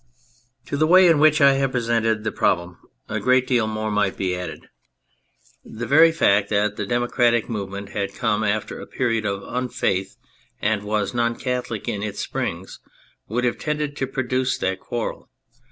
To the way in which I have presented the problem a great deal more might be added. 246 THE FRENCH REVOLUTION The very fact that the democratic move ment had come after a period of unfaith, and was non Catholic in its springs, would have tended to produce that quarrel.